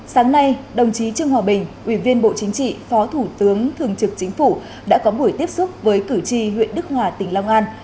sáng nay đồng chí triệu hòa bình ủy viên bộ chính trị phó thủ tướng thượng trưởng chính phủ đã có buổi tiếp xúc với thủ trì huyện đức hòa tỉnh long an